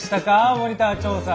モニター調査。